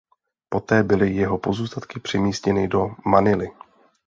Poté byly jeho pozůstatky přemístěny do Manily.